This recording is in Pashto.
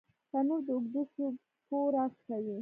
تنور د اوږدو شپو راز پټوي